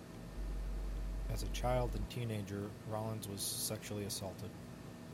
As a child and teenager, Rollins was sexually assaulted.